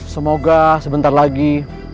semoga sebentar lagi